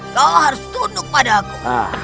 kau harus tunduk padaku